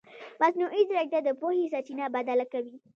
مصنوعي ځیرکتیا د پوهې سرچینه بدله کوي.